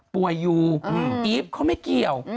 ป่วยอยู่อีฟเขาไม่เกี่ยว